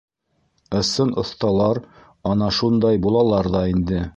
Ысын оҫталар ана шундай булалар ҙа инде.